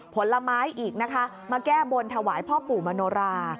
ผลไม้อีกนะคะมาแก้บนถวายพ่อปู่มโนรา